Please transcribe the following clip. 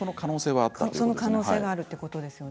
その可能性があったということです。